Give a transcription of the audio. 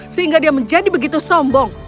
sehingga dia menjadi begitu sombong